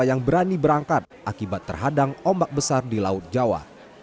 yang berani berangkat akibat terhadang ombak besar di laut jawa